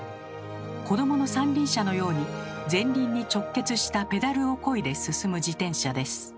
子どもの三輪車のように前輪に直結したペダルをこいで進む自転車です。